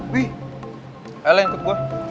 wih elen ikut gua